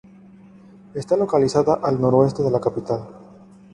Está localizada al noroeste de la capital.